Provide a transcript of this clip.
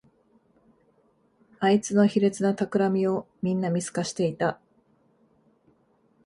あいつの卑劣なたくらみをみんな見透かしていた